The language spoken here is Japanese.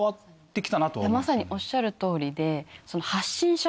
まさにおっしゃる通りで。